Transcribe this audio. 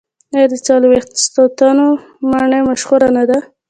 آیا د څلوېښت ستنو ماڼۍ مشهوره نه ده؟